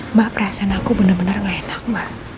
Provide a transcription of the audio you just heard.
emak perasaan aku bener bener ga enak mba